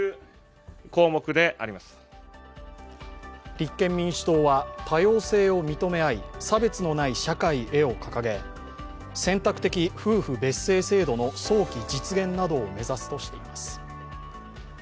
立憲民主党は「多様性を認め合い差別のない社会へ」を掲げ選択的夫婦別姓制度の早期実現などを目指すとしています。